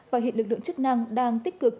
và hiện lực lượng chức năng đang tích cực